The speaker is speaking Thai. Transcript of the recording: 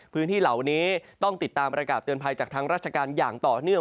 พื้นที่เหล่านี้ต้องติดตามประกาศเตือนภัยจากทางราชการอย่างต่อเนื่อง